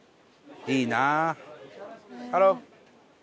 いいなあ。